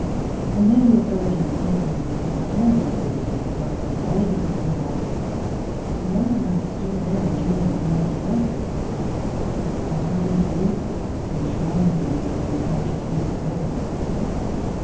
And though the authorities have, for utili tarian purposes, blasted away the foot of her rock, the Lorelei is still there, and Germans know it well, for Heine's lyric enshrined her in the German con sciousness for ever.